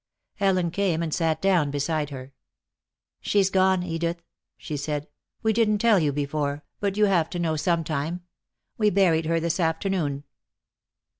Ellen came and sat down beside her. "She's gone. Edith," she said; "we didn't tell you before, but you have to know sometime. We buried her this afternoon."